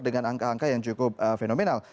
dengan angka angka yang cukup fenomenal